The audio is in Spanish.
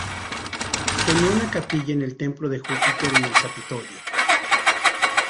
Tenía una capilla en el templo de Júpiter en el Capitolio.